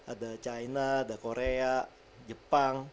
ada china ada korea jepang